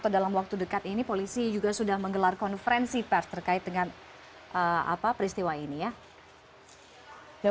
dalam waktu dekat ini polisi juga sudah menggelar konferensi pers terkait dengan peristiwa ini ya